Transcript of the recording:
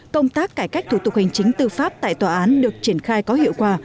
công tác cải cách thủ tục hành chính tư pháp tại tòa án được triển khai có hiệu quả